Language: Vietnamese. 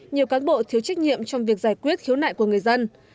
nhiều cán bộ thiếu trách nhiệm trong việc giải quyết khiếu nại của người dân